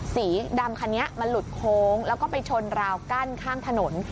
สีดำคันนี้มันหลุดโค้งแล้วก็ไปชนราวกั้นข้างถนน